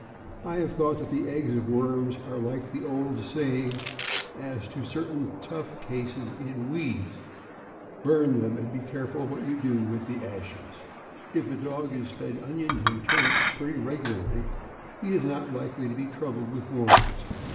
I have thought that the eggs of worms are like the old say THE OLD ENGLISH SHEEP DOG. 525 ing as to certain tough cases in weeds, uburn them, and be careful what you do with the ashes." If a dog is fed onions and turnips pretty regularly, he is not likely to be troubled with worms.